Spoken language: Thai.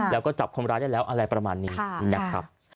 แล้วก็จับคนร้ายได้แล้วอะไรประมาณนี้นะครับ